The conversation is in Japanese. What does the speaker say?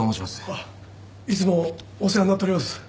あっいつもお世話になっております。